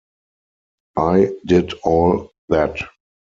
I did all that.